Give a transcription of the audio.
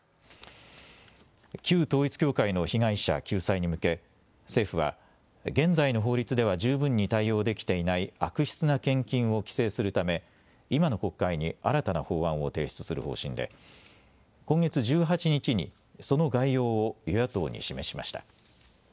旧統一教会の被害者救済に向け政府は現在の法律では十分に対応できていない悪質な献金を規制するため今の国会に新たな法案を提出する方針で今月１８日にその概要を与野党に示しました。